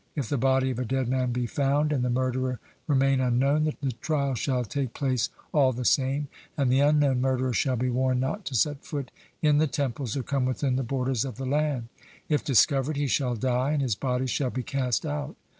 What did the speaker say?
If the body of a dead man be found, and the murderer remain unknown, the trial shall take place all the same, and the unknown murderer shall be warned not to set foot in the temples or come within the borders of the land; if discovered, he shall die, and his body shall be cast out.